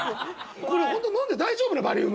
「これ本当飲んで大丈夫なバリウム？」